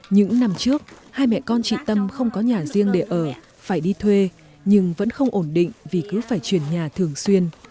những năm trước hai mẹ con chị tâm không có nhà riêng để ở phải đi thuê nhưng vẫn không ổn định vì cứ phải chuyển nhà thường xuyên